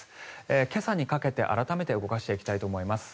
今朝にかけて改めて動かしていきたいと思います。